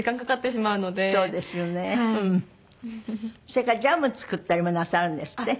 それからジャム作ったりもなさるんですって？